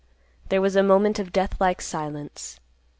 There was a moment of death like silence.